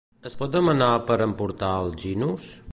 Es pot demanar per emportar al Ginos?